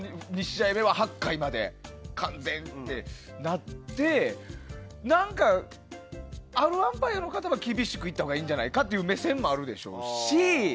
２試合目は８回まで完全ってなって何か、あるアンパイアの方も厳しくいったほうがいいんじゃないかという目線もあるでしょうし。